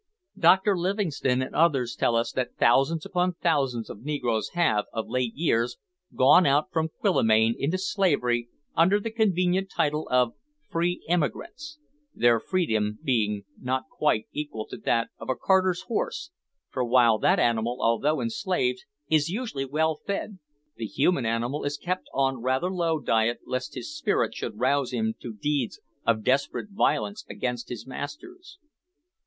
Dr Livingstone and others tell us that thousands upon thousands of negroes have, of late years, gone out from Quillimane into slavery under the convenient title of "free emigrants," their freedom being not quite equal to that of a carter's horse, for while that animal, although enslaved, is usually well fed, the human animal is kept on rather low diet lest his spirit should rouse him to deeds of desperate violence against his masters.